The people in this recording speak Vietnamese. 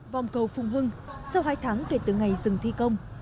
vòng cầu phùng hưng sau hai tháng kể từ ngày dừng thi công